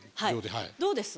どうです？